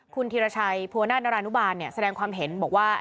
คุณธีรชัยบรรทนรรณุบาลเนี่ยเสดีงความเห็นบอกว่า